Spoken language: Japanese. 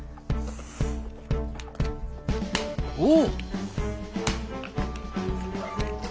お！